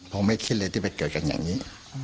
ผมไม่คิดเลยที่ไปเกิดกันอย่างนี้